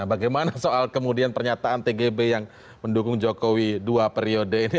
bagaimana soal kemudian pernyataan tgb yang mendukung jokowi dua periode ini